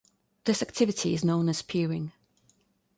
This activity is known as peering.